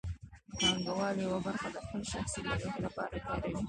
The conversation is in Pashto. پانګوال یوه برخه د خپل شخصي لګښت لپاره کاروي